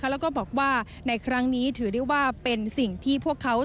แล้วก็บอกว่าในครั้งนี้ถือได้ว่าเป็นสิ่งที่พวกเขา